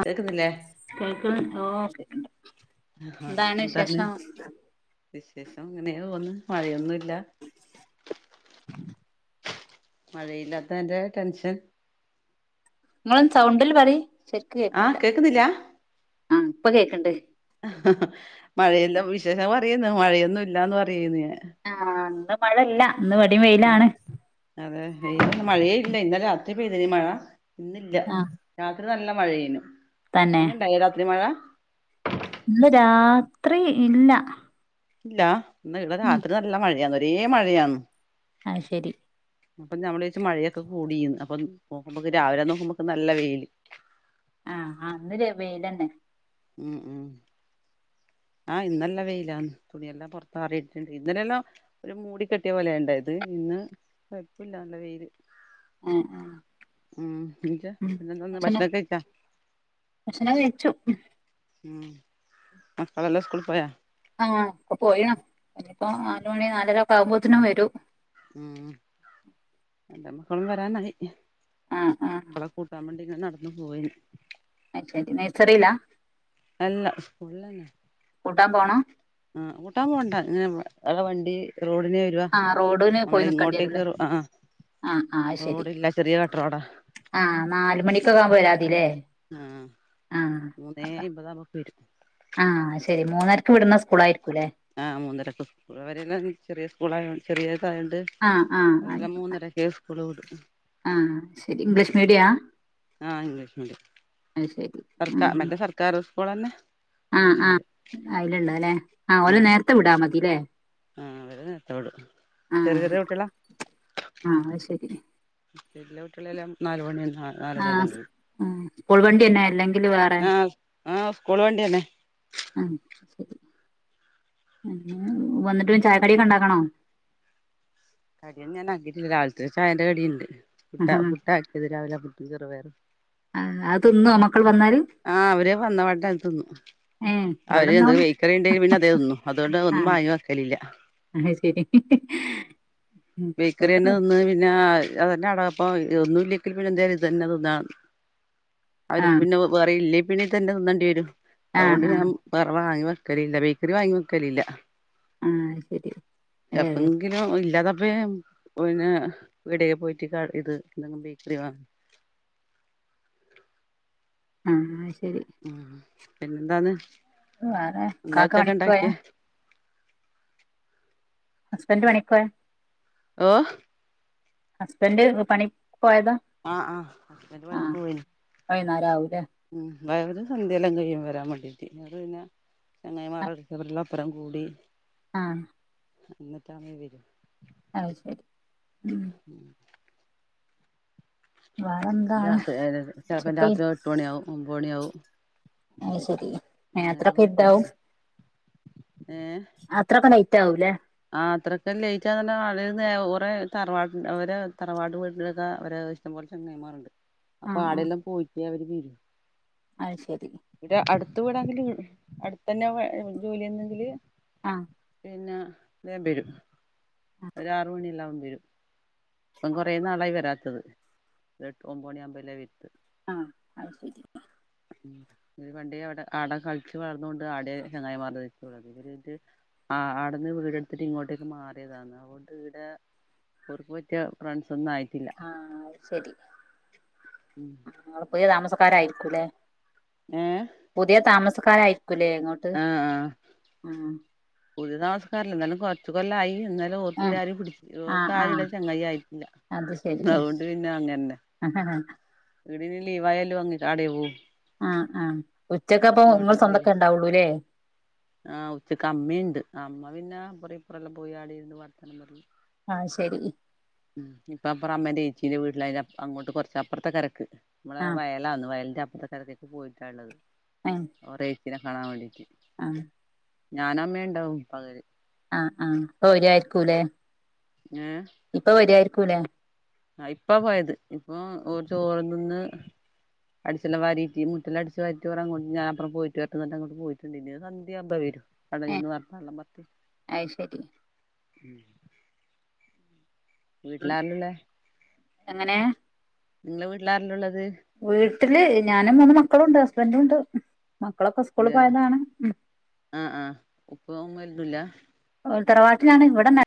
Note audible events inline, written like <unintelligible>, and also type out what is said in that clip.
ആകെക്കുന്നില്ലേ കേൾക്ക ഓഓെ എന്താണ് വിശേഷം വിശേഷം അങ്ങനെയ തോന്നന്ന് മഴയൊന്നുമല്ല മഴയില്ലാത്ത എന്റെ ടെൻഷൻ നിങ്ങളൊന്നുസൗണ്ടില് പറി ആഹ് കേക്കുന്നില്ല ആ ഇപ്പൊ കേക്കണ്ട് മഴയെല്ലാം വിശേഷം പറയുന്നു മഴയൊന്നും ഇല്ലാന്ന് പറയുന്നു ഞൻ ആഹ് അന്ന് മഴ ഇല്ല ന്ന് വടി വെയിലാണ് അതെ ന്നും മഴയ ഇല്ല ഇന്നാല രാത്രി പെയതിന് മഴ ഇന്നില്ല ആ രാത്രി നല്ല മഴയനു തന്നെ അങ്ങനെ ഉണ്ടായോരാത്രി മഴ ഇന്ന് രാത്രി ഇല്ല ഇല്ല ഇന്ന് ഇവിടെ ഉം രാത്രി നല്ല മഴയാന്ന് ഒരേ മഴയാണ് ആത് ശരി അപ്പം നമ്മ ചെച്ചച്ച് മഴയൊക്കെ കൂടിന്ന് അപ്പൊ നോക്കുമ്പോക്ക് രാവിലെ നോക്കുമ്പോക്ക് നല്ല വെയിയില് ആഹ് അന്നര വൽ തന്നെ ഉം ഉം ആഹ്ന്നല്ല വെയിലാന്ന് തുണിയെല്ലാം പുറത്തത്തറിയിട്ടുണ്ട് ഇന്നലെല്ലാം ഒരു മൂട കെട്ടിയ പോലെ ഉണ്ട ഇത് ഇന്ന് കൊഴപ്പില്ല നല്ല വെയില് ആഹ് ആഹ് ഉ പിന്നെന്ത ഒന്ന് ഭക്ഷണം കഴിച്ചാ ഭക്ഷണം കഴിച്ചു. ഹ്മ്മ്, മക്കളെല്ലാം സ്കൂളിൽ പോയാ ആഹ് ഇപ്പ പോയിണ്, ഇപ്പോ നാലുമണി നാലരക്കെ ആവുമ്പോത്തിനും വരും ഹ്മ്മ്, എന്റെ മക്കളും വരാനായി. ആഹ് ആഹ് മക്കളെ കൂട്ടാൻ വേണ്ടി ഞാൻ നടന്നു പോയി ആഹ് ശെരി നയ്സറിലാ അല്ല സ്‌ക്കൂള്ളന്നെ. കൂട്ടാൻ പോണം ആഹ്‌ കൂട്ടാൻ പോണ്ടാ ഈ ആടെ വണ്ടി റോഡിന് വെര് രുവാ ആഹ് റോഡിന് നമ്മള പോയി നിക്കേണ്ടി ഇങ്ങോട്ടേക്ക്‌ വരൂല്ലേ ആഹ്‌ ആഹ് ആഹ് ആഹ് അത് ശരി റോഡില്ല ചെറിയ കട്ടറോടാ ആഹ് നാല് മണിക്കൊക്കെ ആവുമ്പോ വരാ മതില്ലേ ആഹ് മൂന്നേ അയ്ബതാവുമ്പോക്കെ വരും. ആഹ് ശെരി മൂന്നരക്ക് വിട്ണ സ്കൂളായിരിക്കുംല്ലേ ആഹ് മൂന്നരക്ക് സ്കൂൾ വര്ണ ചെറിയ സ്കൂളായോണ്ട് ചെറിയതായോണ്ട് ആഹ് ആഹ് ആയി ഒലെ മൂന്നരക്കേ സ്കുള് വിടും. ആഹ് ശെരി ഇംഗ്ലീഷ് മീഡിയാ ആഹ് ഇംഗ്ലീഷ് മീഡിയാ അത് ശരി ഉം സർക്കാ ഉം മറ്റേ സർക്കാർ സ്കൂളന്നെ ആഹ് ഇംഗ്ലീഷ് ആഹ്‌ മീഡിയം അയ്ലന്നെല്ലെ ആഹ് ഓലെ നേരത്തെ വിടാ മതില്ലേ ആഹ്‌ അവരെ നേരത്തെ വിടും ചെറിയ ആഹ് ചെറിയ കുട്ടിയേളെ ആഹ് ശെരി. പിന്നല്ല കുട്ടിയേളെല്ലാം നാല് മണി നാലരയെല്ലാം ആഹ് കയ്യും ആഹ് സ്കൂൾ വണ്ടിന്നെ അല്ലങ്കില് വേറെ ആഹ് ആഹ് സ്കൂൾ വണ്ടിയന്നെ <inaudible> ആഹ്‌ ശെരി, പിന്നെ വന്ന്ട്ട് ചായക്കടിയൊക്കെ ഇണ്ടാക്കണോ കടിയൊന്നും ഞാൻ ആക്കിട്ടില്ല. രാവിൽത്തെ ചായന്റെ കടിണ്ട്, പുട്ട ആഹ് പുട്ട ആക്കിയത് രാവിലെ പുട്ടും ചെറുപയറും ആഹ് അത് തിന്നോ മക്കള് വന്നാല് ആഹ്‌ അവര് വന്നപാടന്നെ അത് തിന്നും. ഏഹ് അവര് എന്ത് ഇവിടെന്നും ബേയ്ക്കറി ഇണ്ടേൽ പിന്നെ അതേ തിന്നു അതുകണ്ട് ഒന്നും ആഹ് വാങ്ങി വെക്കലില്ല. അത് ശെരി <inaudible> ബേക്കറിയന്നെ തിന്ന് പിന്നെ അതന്നെ ആണാപ്പൊ ഒന്നും ഇല്ലെങ്കിൽ പിന്നെ ഇത് തന്നെ തിന്നാ. അവർക്ക് ആഹ് പിന്നെ വേറെയില്ലേ പിന്നെ ഇതന്നെ തിന്നേണ്ടിയരും ആഹ് അതുകൊണ്ട് ഞാൻ ആഹ് വേറെ വാങ്ങി വെക്കലില്ല ബേക്കറി വാങ്ങി വെക്കലില്ല. ആഹ് ശരി ഏഹ് എപ്പങ്കിലും ഇല്ലാതപ്പം ഞാൻ <unintelligible> പീടിയെ പോയിട്ട് ഇത് എന്തെങ്കിലും ബേക്കറി വാങ്ങും ആഹ് അത് ശെരി. ഹ്മ്മ് പിന്നെന്താന്ന്, വേറെ എന്താ കാക്ക ഉച്ചക്ക് പണിക്ക് പോയാ ഇണ്ടാക്കിയെ ഹസ്ബന്റ് പണിക്കോയാ ഓഹ് ഹസ്ബന്റ് പണിക്ക്‌ പോയതാ ആഹ്, ആഹ് ഹസ്ബന്റ് പണിക്ക്‌ പോയി. അഹ് വൈന്നാരാവൂല്ലേ ഹ്മ്മ് <unintelligible> സധ്യയെല്ലാം കയ്യും വരാൻ വാണ്ടീട്ട് അപ്പം പിന്നെ ചങ്ങായിമാരട്ത്ത് എല്ലാം ഒപ്പരം കൂടി ആഹ് എന്നിട്ടാണ് വര്യാ. അത് ശെരി, ഹ്മ്മ് <inaudible> വേറെന്താണ് രാത്രി ചെലപ്പം ഉച്ചക്ക് രാത്രി എട്ട് മണിയാവും ഒമ്പണിയാവും അത് ശെരി, ഏഹ് അത്രൊക്കെ ഇര്ട്ടാവും ഏഹ്‌ അത്രൊക്കെ ലൈറ്റാവൂല്ലേ ആഹ് അത്രക്കെ ലയിറ്റവോ ന്നാർഞാ ഓറെ തറവാട്ട അവരെ തറവാട് വീട്ടിലൊക്കെ അവരെ <unintelligible> ഇഷ്ടം പോലെ ചെങ്ങയമാർണ്ട് അപ്പൊ ആഹ് ആടെയെല്ലാം പോയിട്ടേ അവര് വെരു അഹ് ശരി ഇവിടെ അടുത്ത് വീടാണങ്കിൽ അടുത്ത തന്നെ ജോലിന്നെങ്കില് ആഹ് പിന്നെ ബേബേരും ഒരാറുമണില്ലാവും ബേരും ഇപ്പം കുറേ നാളായി വരാത്തത് എട്ട് ഒമ്പോ മണി ആമ്പല്ലേ വേരുത്ത് ആഹ് അത് ശെരി ഈ പണ്ടേയ അവിടെ ആട കളിച്ച് വളർന്നൊണ്ട് ആടെ ചെങ്ങായി മാർടെ നിക്കുള്ളത് ഇവര്ത് ആഹ് അടെന്ന് വീടടുത്തിട്ട് ഇങ്ങോട്ടേക്ക് മാറിയതാണ് അതൊണ്ട് ഇടെ ഓർക്ക്‌ - പറ്റിയ ഫ്രണ്ട്സ് ഒന്നും ആയി - ആഹ് ശെരി നിങ്ങള് പുയ താമസക്കാരായിരിക്കൂല്ലേ ഏഹ് പുതിയ താമസക്കാരയിരിക്കുല്ലേ ഇങ്ങോട്ട് ഉം പുതിയ താസ്കാരല്ല എന്നാലും കൊറച്ച് കൊല്ലായി എന്നാ- ല് ഏഹ് ഓർക്കിടെ ആരും പിടിച്ച് ആഹ് ഓർക്കാരും ആഹ് ഇടെ ചങ്ങായി ആയിരിക്കില്ല അത് ശരി അതുകൊണ്ട് പിന്നെ അങ്ങനന്നെ ആഹ് ഇടിന് ലീവായാലും അങ്ങിച്ചാടെ പോവും ആഹ് ആഹ് ഉച്ചക്കഅപ്പോ നിങ്ങൾ ഇങ്ങോട്ടേക്ക് സ്വന്തക്കെ വരും ഉണ്ടാവുള്ളൂല്ലേ ആഹ് ഉച്ചക്ക് അമ്മിണ്ട് അമ്മ പിന്നെ അപ്പരെ ഇപ്പറല്ലാം പോയി ആടിയിന്ന് വർത്തനം പറയും ആഹ് ശെരി ഉം ഇപ്പ അപ്പറ അമ്മേന്റെ എച്ചീന്റെ വീട്ടിലായ അങ്ങോട്ട് കുറച്ചപ്പുറത്തെ കിരക്ക് നമ്മളെ ആഹ് വയലാന്നു വയലിന്റെ അപ്പറതരത്തേക്ക് പോയിട്ടാള്ളത് ആഹ് ഒരെ ഏച്ചിനെ കാണൻ വേണ്ടിട്ട് ആഹ് ഞാനഅമ്മണ്ടാവും പകല് ആഹ് ആഹ് ഇപ്പവെരിയരിക്കൂല്ലെ ഞ്ഞെ ഇപ്പ വെരുവായിരിക്കൂല്ലേ ആഹ് ഇപ്പാ പോയത് ഇപ്പോ ഒര് ചോറും തിന്ന് അടിച്ചൊം വരിയിട്ട് മുറ്റല്ലാം അടിച്ച് വരിട്ട്ഒരാങ്ങോണ്ട് ഞാപ്പറം പോയിട്ട് വേറെട്ടെന്ന് പറഞ്ഞിട്ട് അങ്ങോട്ട് പോയിട്ടുണ്ട് ഇനി സന്ധ്യ ആവുമ്പം വരും അടെയിരുന്ന് വർത്താനം എലാം പറഞ്ഞഇട്ട് ഐ ശെരി ഉം ഉം വീട്ടിരില്ലള്ളെ എങ്ങനെ നിങ്ങളെ വീട്ടിലാരില്ലാം ഒള്ളത് വീട്ടില് ഞാനും മൂന്ന് മക്കളുണ്ട് ഹസ്ബന്റും ഉണ്ട് മക്കളൊക്കെ സ്കൂ- അതയാ ആഹ് ആഹ് ഉപ്പോ ഉമ്മ ഒന്നില്ല ഒര് തറവാട്ടിലാണ് ഇവിടെ നാ -